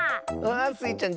スイちゃん